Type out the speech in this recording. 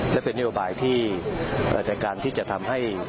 และเป็นนโยบายที่อาจจะการที่จะทำให้